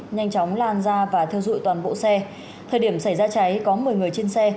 nhanh chóng lan ra và theo dụi toàn bộ xe thời điểm xảy ra cháy có một mươi người trên xe